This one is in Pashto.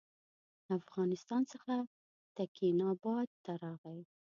له افغانستان څخه تکیناباد ته راغی.